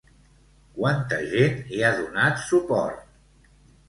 Quanta gent hi ha donat suport?